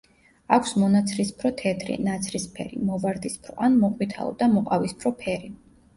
აქვს მონაცრისფრო-თეთრი, ნაცრისფერი, მოვარდისფრო, ან მოყვითალო და მოყავისფრო ფერი.